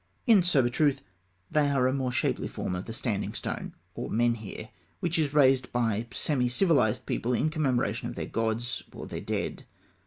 In sober truth, they are a more shapely form of the standing stone, or menhir, which is raised by semi civilised peoples in commemoration of their gods or their dead.